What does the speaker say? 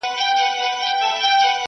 سړیتوب کي بس دولت ورته مِعیار دی,